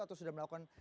atau sudah melakukan